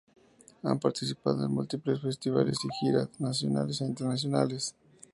Han participado en múltiples festivales y giras, nacionales e internacionales.